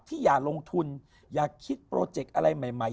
อย่าลงทุนอย่าคิดโปรเจกต์อะไรใหม่